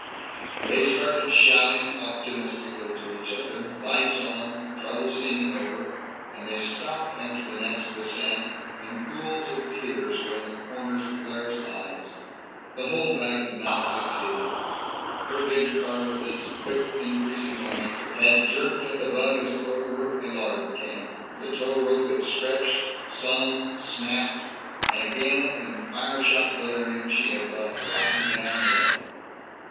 They started, shouting optimistically to each other, lights on, trouble seeming over and they stopped after the next descent, and pools of tears were in the corners of Claire's eyes. The holdback had not succeeded. Her big car, with its quick increasing momentum, had jerked at the bug as though it were a lard can. The tow rope had stretched, sung, snapped, and again, in fire shot delirium, she had gone rocking down hill.